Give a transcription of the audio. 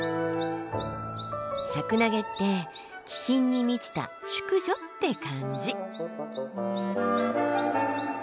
シャクナゲって気品に満ちた淑女って感じ！